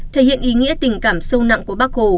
thể hiện ý nghĩa tình cảm sâu nặng của bác hồ